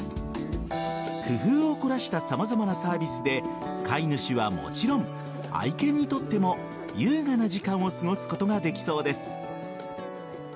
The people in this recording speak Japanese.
工夫を凝らした様々なサービスで飼い主はもちろん愛犬にとっても、優雅な時間を過ごすことができそうです。